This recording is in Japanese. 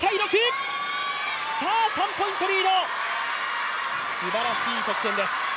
さあ、３ポイントリード、すばらしい得点です。